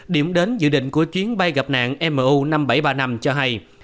điểm đến dự định của chuyến bay gặp nạn mo năm nghìn bảy trăm ba mươi năm cho hay